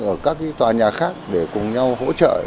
ở các tòa nhà khác để cùng nhau hỗ trợ